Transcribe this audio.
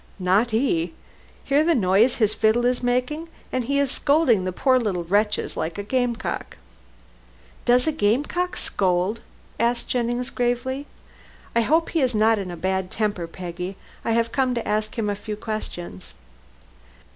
"Not he. Hear the noise his fiddle is making, and he is scolding the poor little wretches like a game cock." "Does a game cock scold?" asked Jennings gravely. "I hope he is not in a bad temper, Peggy. I have come to ask him a few questions."